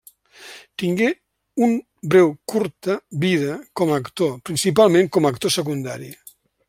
Tingué un breu curta vida com a actor, principalment com a actor secundari.